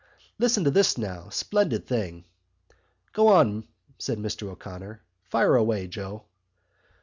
Listen to this now: splendid thing." "Go on," said Mr O'Connor. "Fire away, Joe."